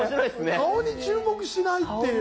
顔に注目しないっていう。